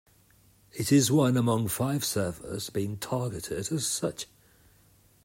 It is one among five servers being targeted as such.